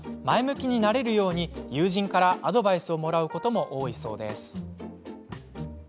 前向きになれるように友人からアドバイスをもらうことも多いそうです。